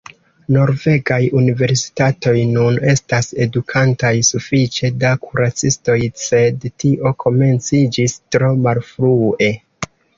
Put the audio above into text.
Norvegaj universitatoj nun estas edukantaj sufiĉe da kuracistoj, sed tio komenciĝis tro malfrue.